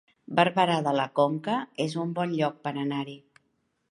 Barberà de la Conca es un bon lloc per anar-hi